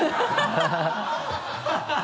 ハハハ